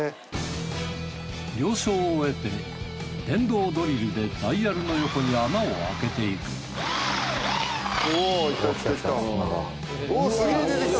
了承を得て電動ドリルでダイヤルの横に穴を開けていくおおいったいったいった。